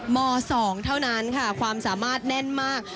ม๒เท่านั้นค่ะความสามารถแน่นมาก